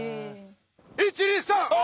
１２３オ！